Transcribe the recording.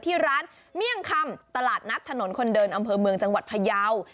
ที่ร้านเมี่ยงคำตลาดนัดถนนคนเดินอำเภอเมืองจังหวัดพยาว